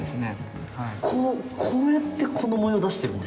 こうこうやってこの模様を出してるんですか？